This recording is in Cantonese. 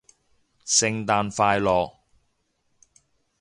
聖誕快樂